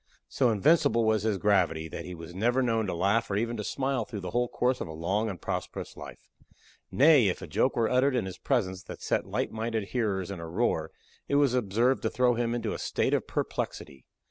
So invincible was his gravity that he was never known to laugh or even to smile through the whole course of a long and prosperous life. Nay, if a joke were uttered in his presence that set light minded hearers in a roar, it was observed to throw him into a state of perplexity.